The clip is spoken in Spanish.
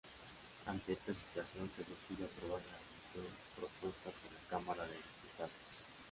Ante está situación se decide Aprobar la moción propuesta por la Cámara de Diputados.